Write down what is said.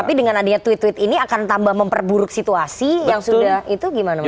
tapi dengan adanya tweet tweet ini akan tambah memperburuk situasi yang sudah itu gimana mas